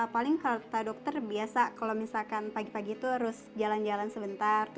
paling kalau kata dokter biasa kalau misalkan pagi pagi itu harus jalan jalan sebentar